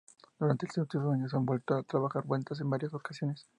Durante los últimos años han vuelto a trabajar juntas en varias ocasiones.